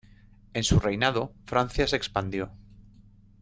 En su reinado, Francia se expandió.